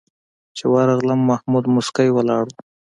چې ورغلم محمود موسکی ولاړ و.